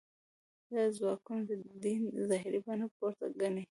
دا ځواکونه د دین ظاهري بڼه پورته ګڼي.